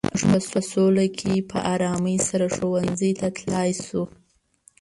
موږ په سوله کې په ارامۍ سره ښوونځي ته تلای شو.